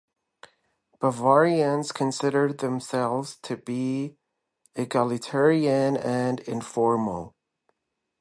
Bavarians consider themselves to be egalitarian and informal.